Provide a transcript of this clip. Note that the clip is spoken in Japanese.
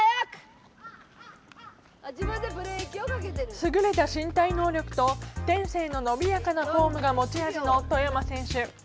優れた身体能力と天性の伸びやかなフォームが持ち味の外山選手。